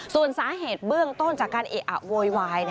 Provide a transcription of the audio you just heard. ส่วนสาเหตุเบื้องต้นจากการเอะอะโวยวาย